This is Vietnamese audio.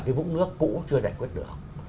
cái vũng nước cũ chưa giải quyết được